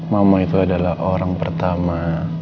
mama itu adalah orang pertama